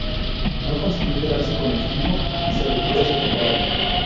No consiguió quedarse con el equipo y se retiró esa temporada.